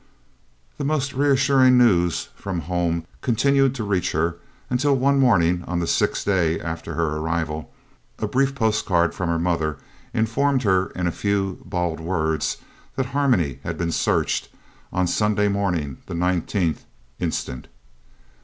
The most reassuring news from home continued to reach her until one morning, on the sixth day after her arrival, a brief postcard from her mother informed her in a few bald words that Harmony had been searched on "Sunday morning the 19th inst."